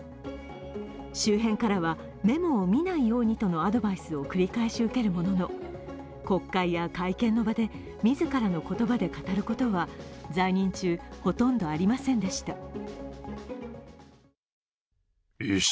周辺からはメモを見ないようにとのアドバイスを繰り返す受けるものの国会や会見の場で自らの言葉で語ることは在任中、ほとんどありませんでした。